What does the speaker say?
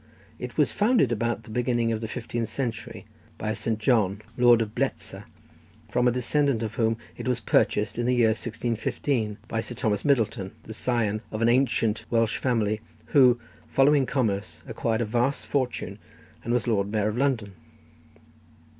It was founded about the beginning of the fifteenth century by a St. John, Lord of Bletsa, from a descendant of whom it was purchased in the year 1615 by Sir Thomas Middleton, the scion of an ancient Welsh family who, following commerce, acquired a vast fortune, and was Lord Mayor of London.